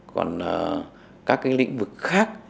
còn các lĩnh vực khác